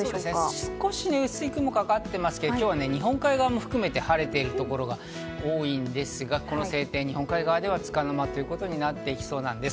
少し薄い雲がかかっていますが、今日は日本海側も含めて晴れているところが多いんですが、この晴天、日本海側ではつかの間となっていきそうです。